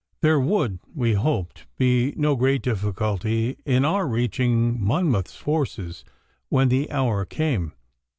There would, we hoped, be no great difficulty in our reaching Monmouth's forces when the hour came.